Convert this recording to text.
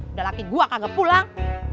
udah lagi gua kagak pulang